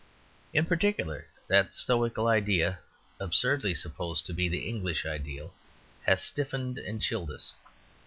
In particular, that stoical ideal, absurdly supposed to be the English ideal, has stiffened and chilled us.